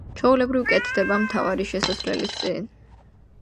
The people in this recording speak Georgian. ჩვეულებრივ კეთდება მთავარი შესასვლელის წინ.